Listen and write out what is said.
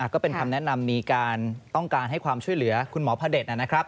ก็เป็นคำแนะนำมีการต้องการให้ความช่วยเหลือคุณหมอพระเด็จนะครับ